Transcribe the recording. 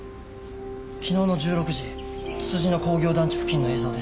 昨日の１６時つつじ野工業団地付近の映像です。